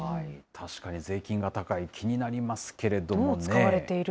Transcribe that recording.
確かに税金が高い、気になりますけれどもね。ですね。